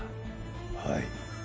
はい。